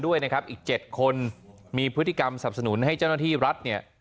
ด้วยนะครับอีก๗คนมีพฤติกรรมสับสนุนให้เจ้าหน้าที่รัฐเนี่ย